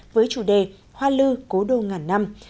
với chủ đề hoa lưu cố đô ngàn năm